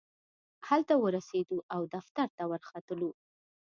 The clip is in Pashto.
هلته ورسېدو او دفتر ته ورختلو.